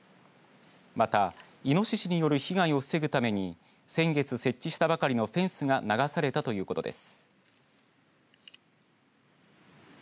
またイノシシによる被害を防ぐために先月設置したばかりのフェンスが流されたということです。